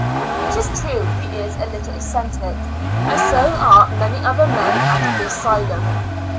It is true he is a little eccentric, and so are many other men out of the asylum.